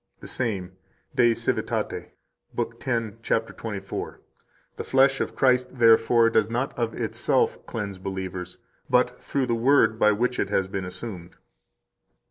133 The same, De Civitate, lib. 10, cap. 24: "The flesh of Christ, therefore, does not of itself cleanse believers, but through the Word, by which it has been assumed."